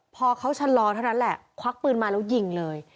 พอเขาชะลอเท่านั้นแหละควักปืนมาแล้วยิงเลย